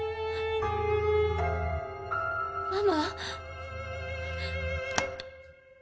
ママ？